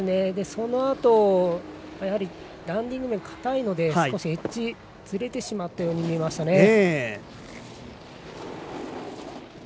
そのあとやはりランディング面がかたいので少しエッジがずれてしまったように見えました。